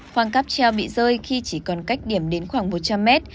khoang cáp treo bị rơi khi chỉ còn cách điểm đến khoảng một trăm linh mét